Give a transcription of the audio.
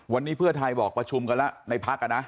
วันนี้เพื่อไทยบอกประชุมกันแล้วในพักนะ